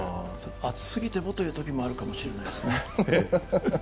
熱すぎてもというときもあるかもしれないですね。